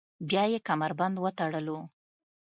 بیا یې کمربند وتړلو.